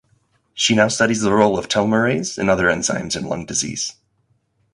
She now studies the role of telomerase and other enzymes in lung disease.